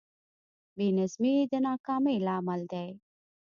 بېنظمي د ناکامۍ لامل دی.